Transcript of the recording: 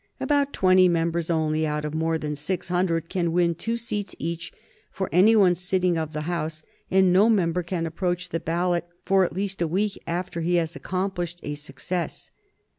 About twenty members only out of more than six hundred can win two seats each for any one sitting of the House, and no member can approach the ballot for at least a week after he has accomplished a success.